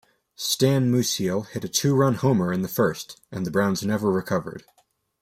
Stan Musial hit a two-run homer in the first, and the Browns never recovered.